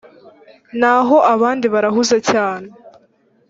naho abandi barahunze cyera